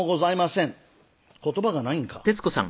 言葉がないんか。